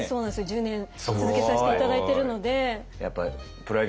１０年続けさせて頂いてるので。